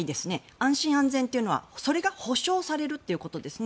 安心安全というのはそれが保証されるということですね。